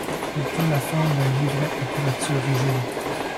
Elle prend la forme d'un livret à couverture rigide.